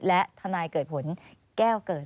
และทนายเกิดผลแก้วเกิด